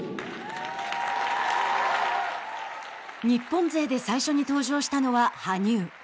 日本勢で最初に登場したのは羽生。